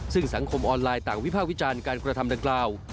ซึ่งสังคมออนไลน์ต่างวิภาควิจารณ์การกระทำดังกล่าว